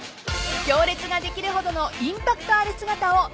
［行列ができるほどのインパクトある姿を］